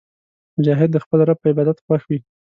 مجاهد د خپل رب په عبادت خوښ وي.